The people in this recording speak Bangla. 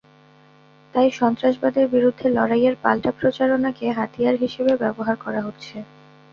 তাই সন্ত্রাসবাদের বিরুদ্ধে লড়াইয়ে পাল্টা প্রচারণাকে হাতিয়ার হিসেবে ব্যবহার করা হচ্ছে।